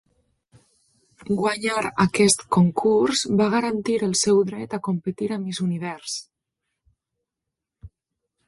Guanyar aquest concurs va garantir el seu dret a competir a Miss Univers.